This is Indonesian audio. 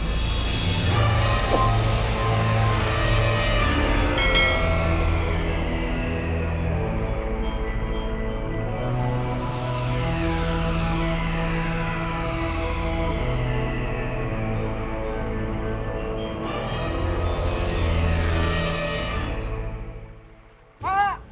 alhamdulillah dia masih hidup